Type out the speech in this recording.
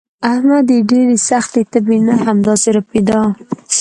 احمد د ډېرې سختې تبې نه همداسې ړپېدا.